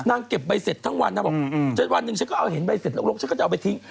เก็บใบเสร็จทั้งวันนางบอกจนวันหนึ่งฉันก็เอาเห็นใบเสร็จลกฉันก็จะเอาไปทิ้ง